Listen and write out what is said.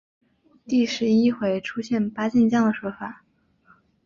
第十一回出现八健将的说法。